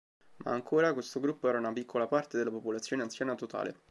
Ma ancora, questo gruppo era una piccola parte della popolazione anziana totale.